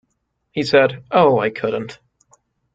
He said, "Oh, I couldn't".